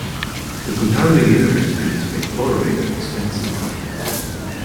The compounding interest fees make borrowing expensive.